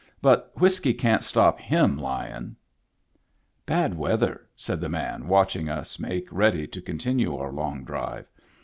But whiskey can't stop him lying." " Bad weather," said the man, watching us make ready to continue our long drive.